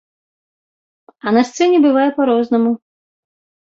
А на сцэне бывае па-рознаму.